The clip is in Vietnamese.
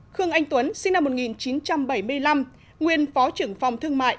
hai khương anh tuấn sinh năm một nghìn chín trăm bảy mươi năm nguyên phó trưởng phòng thương mại